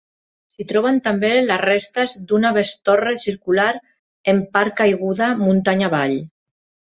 S'hi troben també les restes d'una bestorre circular, en part caiguda muntanya avall.